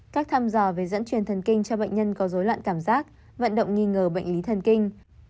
các thăm dò về dẫn truyền thần kinh cho bệnh nhân có dối loạn cảm giác vận động nghi ngờ bệnh lý thần kinh